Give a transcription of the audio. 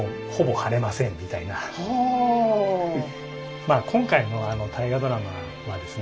まあ今回の大河ドラマはですね